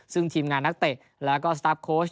ซึ่งทีมงานนักเตะแล้วก็สตาร์ฟโค้ช